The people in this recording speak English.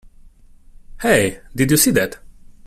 Hey! Did you see that?